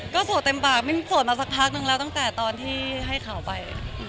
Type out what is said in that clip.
ก็โสดเต็มปากไม่มีโสดมาสักพักนึงแล้วตั้งแต่ตอนที่ให้ข่าวไป